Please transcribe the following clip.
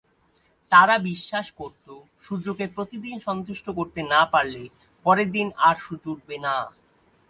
তাঁরা বিশ্বাস করতো সূর্যকে প্রতিদিন সন্তুষ্ট করতে না পারলে পরের দিন আর সূর্য উঠবে না।